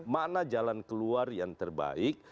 mana jalan keluar yang terbaik